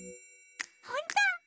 ほんと！？